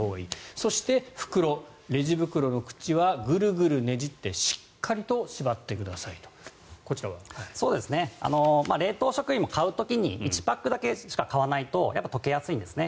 そして、袋レジ袋の口はグルグルねじって冷凍食品も買う時に１パックだけしか買わないと解けやすいんですね。